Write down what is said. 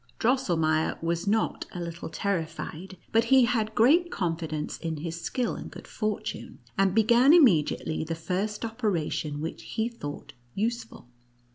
Drosselrneier was not a little terrified, but he had great confidence in his skill and good fortune, and began immediately the first opera tion which he thought useful.